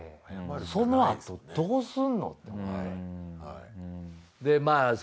そのあとどうすんのって思って。